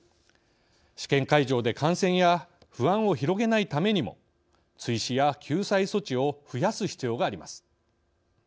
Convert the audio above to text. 試験会場で感染や不安を広げないためにも追試や救済措置を増やす必要があります。